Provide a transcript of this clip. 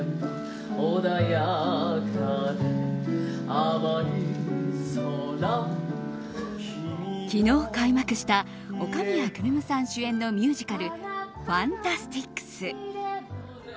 新「アタックＺＥＲＯ」昨日開幕した岡宮来夢さん主演のミュージカル「ファンタスティックス」。